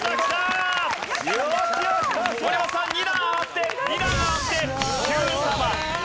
森本さん２段上がって２段上がって『Ｑさま！！』初めての正解！